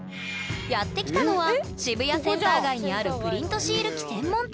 やって来たのは渋谷センター街にあるプリントシール機専門店。